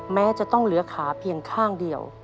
แม้จะต้องเหลือขาเพียงข้างเดียว